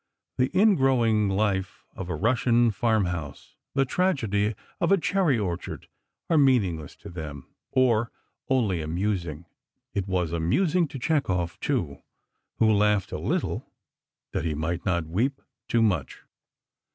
The in growing life of a Russian farm house, the tragedy of a cherry orchard, are meaningless to them, or only amusing. It was amusing to Chekhov, too, who laughed—a little—that he might not weep—too much.